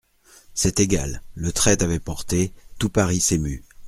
C'est égal, le trait avait porté, tout Paris s'émut.